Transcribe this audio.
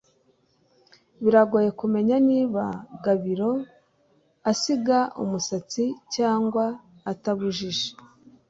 Biragoye kumenya niba Gabiro asiga umusatsi cyangwa atabujije